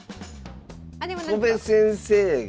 戸辺先生が。